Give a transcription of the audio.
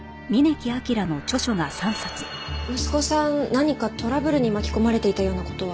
息子さん何かトラブルに巻き込まれていたような事は？